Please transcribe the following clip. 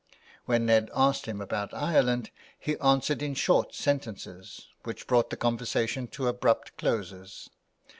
When Ned asked him about Ireland he answered in short sentences, which brought the conversation to abrupt closes.